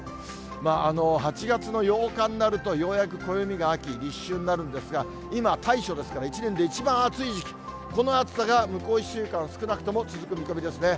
８月の８日になると、ようやく暦が秋、立秋になるんですが、今、大暑ですから、一年で一番暑い時期、この暑さが向こう１週間、少なくとも続く見込みですね。